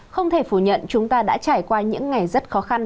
không thể phủ nhận chúng ta đã trải qua những ngày rất khó khăn